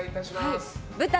舞台